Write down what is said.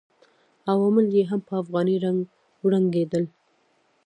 عوامل یې هم په افغاني رنګ ورنګېدل.